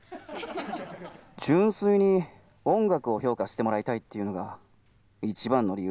純粋に音楽を評価してもらいたいっていうのが一番の理由です。